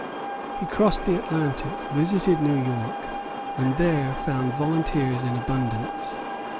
He crossed the Atlantic, visited New York, and there found volunteers in abundance.